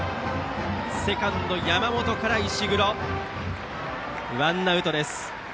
セカンドの山本から石黒へ渡ってワンアウトです。